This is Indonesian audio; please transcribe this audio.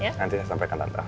nanti ya sampaikan tante